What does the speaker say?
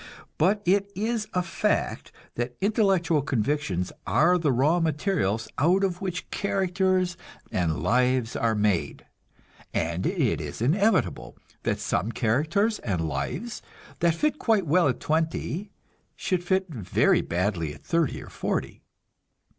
But it is a fact that intellectual convictions are the raw material out of which characters and lives are made, and it is inevitable that some characters and lives that fit quite well at twenty should fit very badly at thirty or forty.